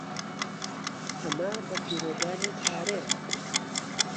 ئەمە بەفیڕۆدانی پارەیە.